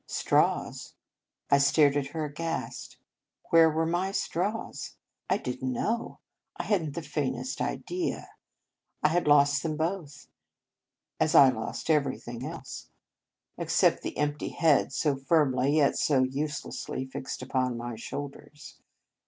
Straws! I stared at her aghast. Where were my straws? I didn t know. I hadn t the faintest idea. I had lost them both, as I lost everything else, 99 In Our Convent Days except the empty head so firmly, yet so uselessly fixed upon my shoulders.